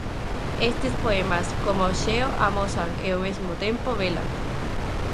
Estes poemas, coma o xeo, amosan e ao mesmo tempo velan.